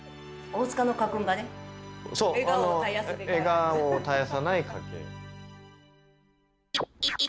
「笑顔を絶やさない家庭」。